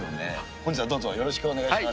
本日はどうぞよろしくお願いします。